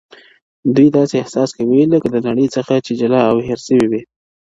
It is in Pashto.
دوی داسې احساس کوي لکه له نړۍ څخه جلا او هير سوي وي,